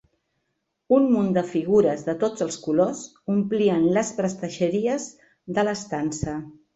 Un munt de figures de tots els colors omplien les prestatgeries de l'estança.